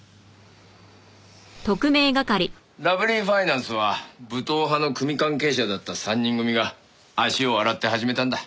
ラブリーファイナンスは武闘派の組関係者だった３人組が足を洗って始めたんだ。